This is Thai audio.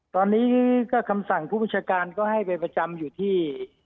ตอนนี้ก็คำสั่งผู้ประชาการก็ให้ไปประจำอยู่ที่